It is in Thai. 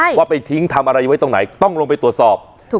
แล้วก็ไปซ่อนไว้ในคานหลังคาของโรงรถอีกทีนึง